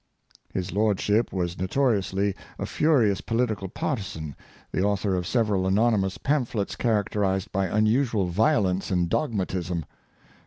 His lordship was notoriously a furious politi cal partisan, the author of several anonymous pam phlets characterized by unusual violence and dogma tism.